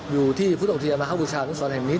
อยู่ที่พุทธอุทยานมาครบูชานุศรแห่งนี้